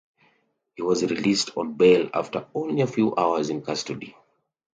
He was released on bail after only a few hours in custody.